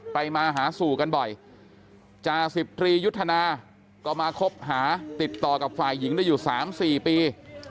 มาหาสู่กันบ่อยจ่าสิบตรียุทธนาก็มาคบหาติดต่อกับฝ่ายหญิงได้อยู่๓๔ปี